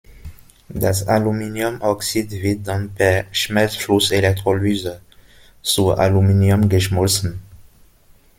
Das Aluminiumoxid wird dann per Schmelzflusselektrolyse zu Aluminium geschmolzen.